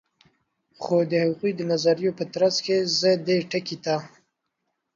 خو د هغوي د نظریو په ترڅ کی زه دې ټکي ته